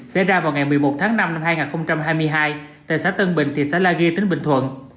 xảy ra vào ngày một mươi một tháng năm năm hai nghìn hai mươi hai tại xã tân bình thị xã la ghi tỉnh bình thuận